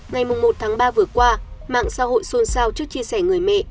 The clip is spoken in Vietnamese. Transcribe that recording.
ngày một tháng ba vừa qua mạng xã hội xôn xao trước chia sẻ người mẹ